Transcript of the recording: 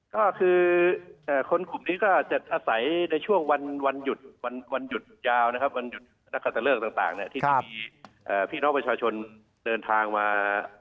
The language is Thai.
ก็คือคนกลุ่มนี้ก็จะอาศัยในช่วงวันหยุดยาววันหยุดนักศักดิ์เลิกต่างที่มีพี่น้องประชาชนเดินทางมา